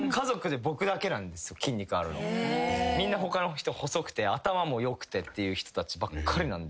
みんな他の人細くて頭も良くてっていう人たちばっかりなんです。